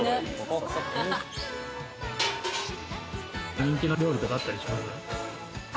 人気の料理とかあったりしますか？